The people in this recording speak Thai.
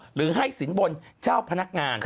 หรือให้สินบนเจ้าพนักงาน